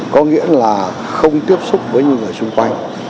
có nghĩa là không tiếp xúc với những người xung quanh